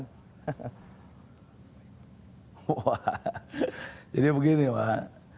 wah jadi begini pak